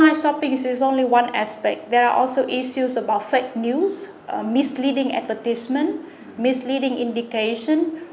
nhưng còn có những nguyên liệu có thể gây lãng phí hoặc hại